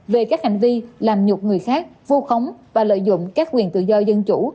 về các hành vi làm nhục người khác vu khống và lợi dụng các quyền tự do dân chủ